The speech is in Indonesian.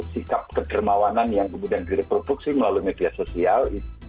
sikap kedermawanan yang kemudian direproduksi melalui media sosial